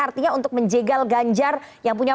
artinya untuk menjegal ganjar yang punya